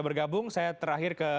berhubung saya terakhir ke